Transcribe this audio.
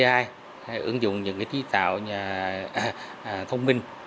hãy ứng dụng những kỹ tạo thông minh